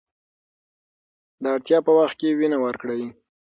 د اړتیا په وخت کې وینه ورکړئ.